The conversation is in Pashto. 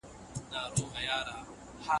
دا پرېکړه د تاريخ لوری بدل کړ.